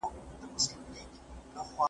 ځلانده مستقبل له ماضي جلا نه وي